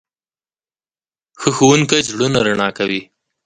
ښه ښوونکی زړونه رڼا کوي.